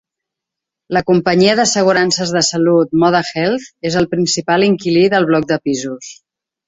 La companyia d'assegurances de salut Moda Health és el principal inquilí del bloc de pisos.